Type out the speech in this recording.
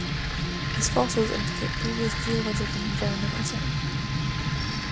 These fossils indicate previous geologic and environmental settings.